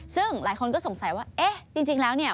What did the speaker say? ซึ่งหลายคนก็สงสัยว่าเอ๊ะจริงแล้วเนี่ย